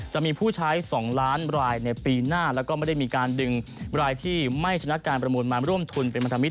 จะมีผู้ใช้๒ล้านรายในปีหน้าแล้วก็ไม่ได้มีการดึงรายที่ไม่ชนะการประมูลมาร่วมทุนเป็นพันธมิตร